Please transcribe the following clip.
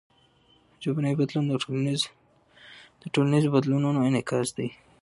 ژبنی بدلون د ټولنیزو بدلونونو انعکاس دئ.